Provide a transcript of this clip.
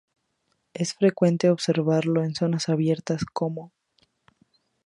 Es frecuente observarlo en zonas abiertas como